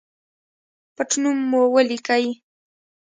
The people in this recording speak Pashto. پټنوم مو ولیکئ